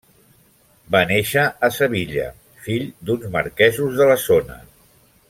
Va néixer a Sevilla, fill d'uns marquesos de la zona.